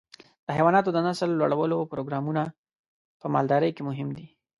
د حيواناتو د نسل لوړولو پروګرامونه په مالدارۍ کې مهم دي.